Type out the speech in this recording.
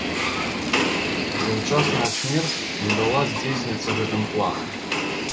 Заўчасная смерць не дала здзейсніцца гэтым планам.